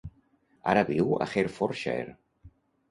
Ara viu a Herefordshire.